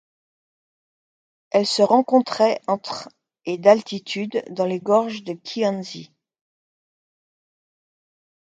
Elle se rencontrait entre et d'altitude dans les gorges de Kihansi.